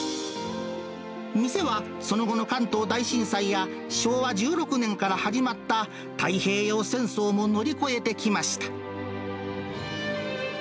店はその後の関東大震災や、昭和１６年から始まった太平洋戦争も乗り越えてきました。